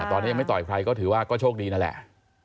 ตอนนี้ยังไม่ต่อยใครก็ถือว่าก็โชคดีนั่นแหละ